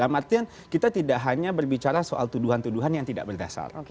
dalam artian kita tidak hanya berbicara soal tuduhan tuduhan yang tidak berdasar